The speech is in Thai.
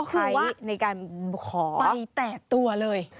ใช้ในการขอไป๘ตัวเลย